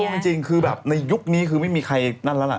จริงคือแบบในยุคนี้คือไม่มีใครนั่นแล้วล่ะ